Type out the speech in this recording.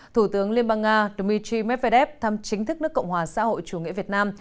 thủ tướng liên bang nga dmitry medvedev thăm chính thức nước cộng hòa xã hội chủ nghĩa việt nam